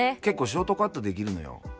結構ショートカットできるのよ。